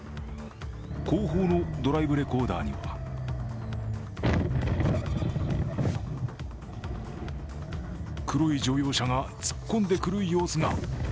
後方のドライブレコーダーには黒い乗用車が突っ込んでくる様子が。